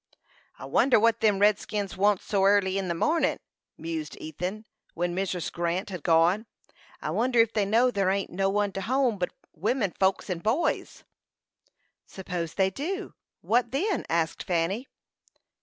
"I wonder what them redskins wants here so airly in the mornin'," mused Ethan, when Mrs. Grant had gone. "I wonder ef they know there ain't no one to home but women folks and boys." "Suppose they do know, what then?" asked Fanny.